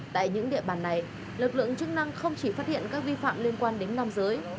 tại những địa bàn này lực lượng chức năng không chỉ phát hiện các vi phạm liên quan đến nam giới